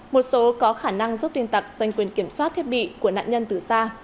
một số có khả năng giúp tiên tập dành quyền kiểm soát thiết bị của nạn nhân từ xa